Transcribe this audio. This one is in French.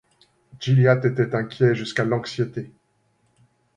Gilliatt était inquiet jusqu’à l’anxiété.